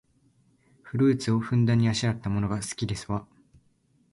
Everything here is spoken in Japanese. フルーツをふんだんにあしらったものが好きですわ